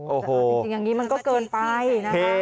แต่เอาจริงอย่างนี้มันก็เกินไปนะคะ